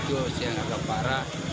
empat lima kiosk yang agak parah